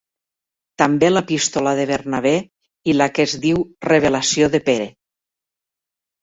També l'epístola de Bernabé i la que es diu Revelació de Pere.